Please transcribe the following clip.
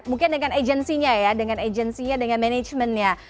mungkin dengan agensinya ya dengan agensinya dengan manajemennya